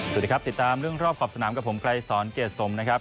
สวัสดีครับติดตามเรื่องรอบขอบสนามกับผมไกรสอนเกรดสมนะครับ